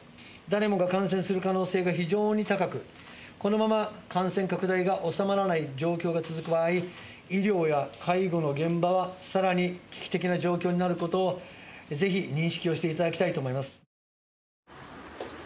誰もが感染する可能性が非常に高く、このまま感染拡大が収まらない状況が続く場合、医療や介護の現場はさらに危機的な状況になることを、ぜひ認識をしていただきたいと思います。